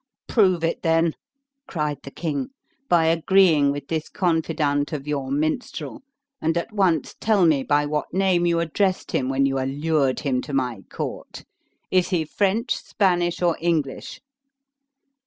"Prove it then," cried the king, "by agreeing with this confidant of your minstrel, and at once tell me by what name you addressed him when you allured him to my court? Is he French, Spanish, or English?"